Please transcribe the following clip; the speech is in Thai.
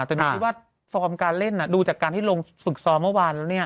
แต่ผมคิดว่าสภาพการเล่นน่ะดูจากการที่ลงศึกษอเมื่อวานแล้วเนี่ย